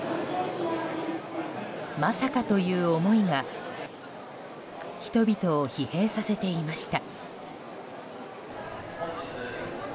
まさかという思いが人々を疲弊させていました。